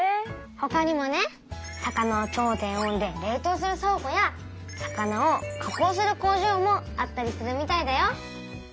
ほかにもね魚を超低温で冷とうする倉庫や魚を加工する工場もあったりするみたいだよ。